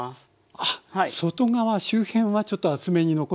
あっ外側周辺はちょっと厚めに残して。